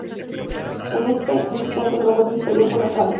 En ese instante el robot misterioso lo salva.